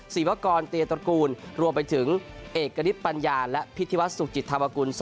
ศีวกรเตียตระกูลรวมไปถึงเอกณิตปัญญาและพิธีวัฒนสุขจิตธรรมกุล๒